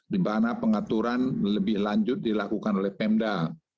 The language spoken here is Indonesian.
di mana pengaturan lebih lanjut dilakukan oleh pemda